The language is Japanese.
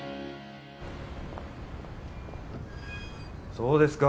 そうですか